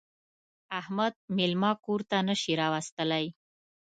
احمد مېلمه کور ته نه شي راوستلی.